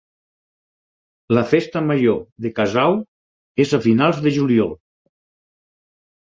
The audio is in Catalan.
La Festa Major de Casau és a finals de juliol.